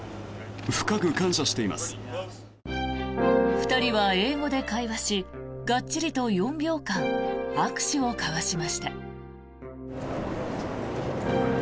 ２人は英語で会話しがっちりと４秒間握手を交わしました。